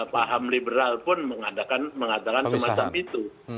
paham liberal pun mengatakan semacam itu